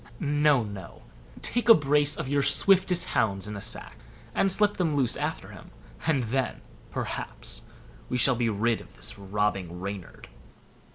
No, no; take a brace of your swiftest hounds in a sack, and slip them loose after him; and then, perhaps, we shall be rid of this robbing Reynard."